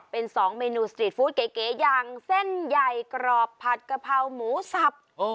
เป็น๒เมนูสตรีทฟู้ดเก๋อย่างเส้นใหญ่กรอบผัดกะเพราหมูสับ